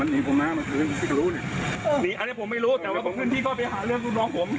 อันนี้ผมไม่รู้แต่ว่าผมขึ้นที่ก็ไปหาเรื่องรูปน้องผม